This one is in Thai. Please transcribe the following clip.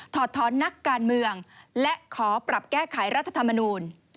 อดท้อนนักการเมืองและขอปรับแก้ไขรัฐธรรมนูล